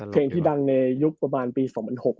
เพลงที่ดังในยุคประมาณปี๒๐๐๖